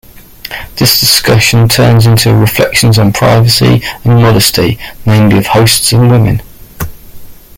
This discussion turns into reflections on privacy and modesty, namely of hosts and women.